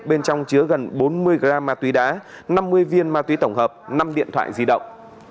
bên trong chứa gần bốn mươi gram ma túy đá năm mươi viên ma túy tổng hợp năm điện thoại di động